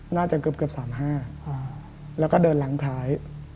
น่าจะเกือบ๓๕แล้วก็เดินหลังท้าย